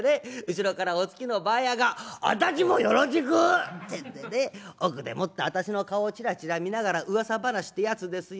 後ろからお付きのばあやが『私もよろしく』ってんでね奥でもって私の顔をちらちら見ながら噂話ってやつですよ。